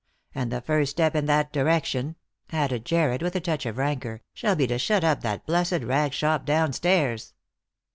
And the first step in that direction," added Jarred, with a touch of rancour, " shall be to shut up that blessed rag shop down stairs."